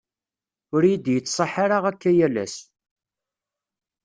ur iyi-d-yettṣaḥ ara akka yal ass.